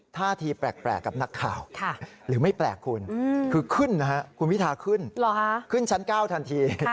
ท่าทีแปลกกับนักข่าวหรือไม่แปลกคุณคือขึ้นนะฮะคุณพิทาขึ้นขึ้นชั้น๙ทันที